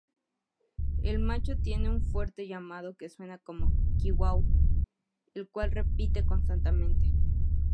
El macho tiene un fuerte llamado que suena como "ki-wao", el cual repite constantemente.